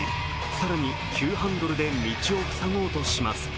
更に、急ハンドルで道を塞ごうとします。